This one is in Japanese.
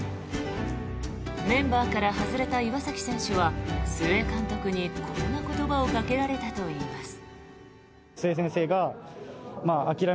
メンバーから外れた岩崎選手は須江監督にこんな言葉をかけられたといいます。